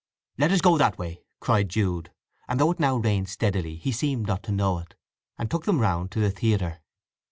"Let's go that way!" cried Jude, and though it now rained steadily he seemed not to know it, and took them round to the theatre.